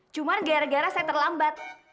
cuma gara gara saya terlambat